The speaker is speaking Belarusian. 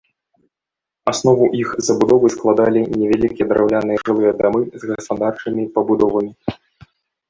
Аснову іх забудовы складалі невялікія драўляныя жылыя дамы з гаспадарчымі пабудовамі.